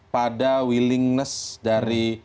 pada willingness dari